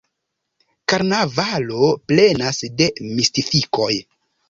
Karnavalo plenas de mistifikoj.